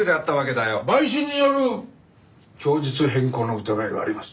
買収による供述変更の疑いがあります。